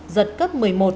giật cấp một mươi một